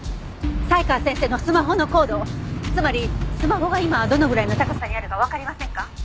才川先生のスマホの高度つまりスマホが今どのぐらいの高さにあるかわかりませんか？